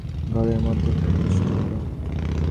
এমন সময় অমল ঝড়ের মতো ঘরের মধ্যে প্রবেশ করিল।